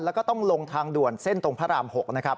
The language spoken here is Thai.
แล้วก็ต้องลงทางด่วนเส้นตรงพระราม๖นะครับ